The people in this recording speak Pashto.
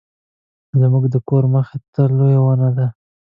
زموږ د کور مخې ته لویه ونه ده